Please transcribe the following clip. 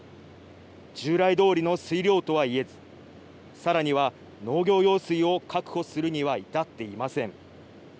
従来どおりの水量とは言えず、さらには農業用水を確保するには至っていません。